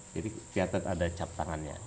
jadi kelihatan ada cap tangannya